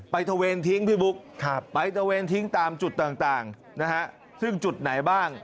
ตะเวนทิ้งพี่บุ๊คไปตะเวนทิ้งตามจุดต่างนะฮะซึ่งจุดไหนบ้าง